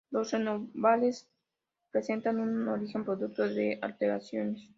Los renovales presentan un origen producto de alteraciones.